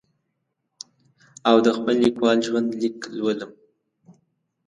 او د خپل لیکوال ژوند لیک لولم.